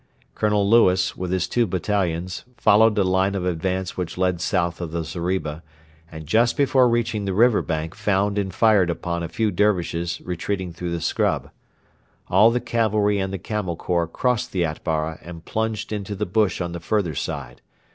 Colonel Lewis, with his two battalions, followed a line of advance which led south of the zeriba, and just before reaching the river bank found and fired upon a few Dervishes retreating through the scrub. All the cavalry and the Camel Corps crossed the Atbara and plunged into the bush on the further side.